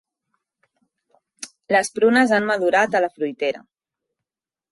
Les prunes han madurat a la fruitera.